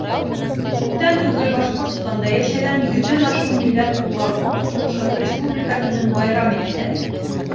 Күптән түгел Башҡортостанда йәшәгән йөҙҙән ашыу милләт ҡулға-ҡул тотоношоп Республика көнөн байрам итте.